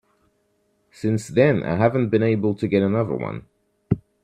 Since then I haven't been able to get another one.